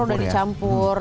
udah dicampur ya